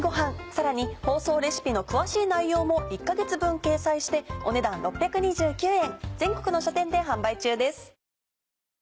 さらに放送レシピの詳しい内容も１か月分掲載してお値段６２９円。